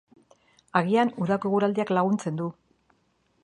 Agian udako eguraldiak laguntzen du.